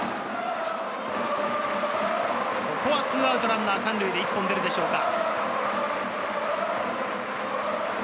ここは２アウトランナー３塁で一本出るでしょうか？